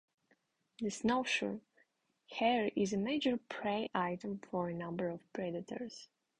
The snowshoe hare is a major prey item for a number of predators.